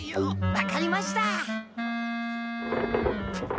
分かりました！